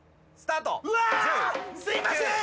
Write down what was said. すいません！